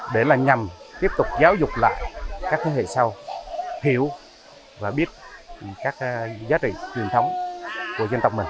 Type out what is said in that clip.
để là nhằm tiếp tục giáo dục lại các thế hệ sau hiểu và biết các giá trị truyền thống của dân tộc mình